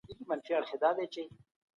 له بدو کارونو څخه د خلګو منع کول اړين دي.